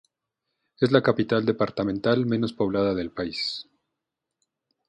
Es la capital departamental menos poblada del país.